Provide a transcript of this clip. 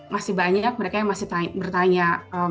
masih banyak mereka yang masih bertanya